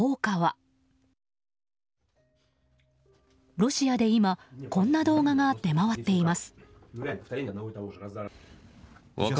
ロシアで今こんな動画が出回っています。